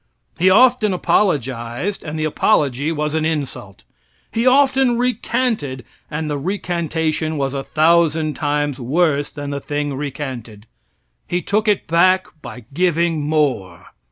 He often apologized, and the apology was an insult. He often recanted, and the recantation was a thousand times worse than the thing recanted. He took it back by giving more.